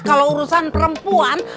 kalo urusan perempuan